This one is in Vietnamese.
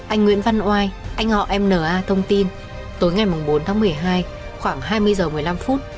anh nguyễn văn oai anh họ m a thông tin tối ngày bốn tháng một mươi hai khoảng hai mươi giờ một mươi năm phút